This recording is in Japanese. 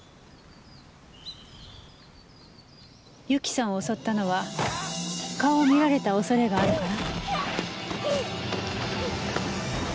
由紀さんを襲ったのは顔を見られた恐れがあるから？